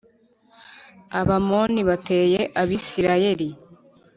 Abamoni bateye Abisirayeli